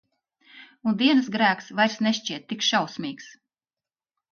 Un dienas grēks vairs nešķiet tik šausmīgs.